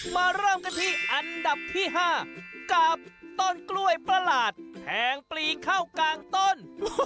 มาเริ่มกันที่อันดับที่๕กับต้นกล้วยประหลาดแทงปลีเข้ากลางต้น